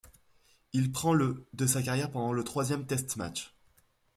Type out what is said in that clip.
Il prend le de sa carrière pendant le troisième test-match.